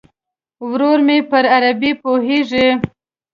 ورور مې پر عربي پوهیږي.